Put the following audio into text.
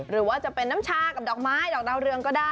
หรือว่าจะเป็นน้ำชากับดอกไม้ดอกดาวเรืองก็ได้